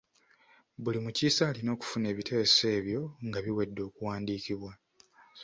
Buli mukiise alina okufuna ebiteeso ebyo nga biwedde okuwandiikibwa.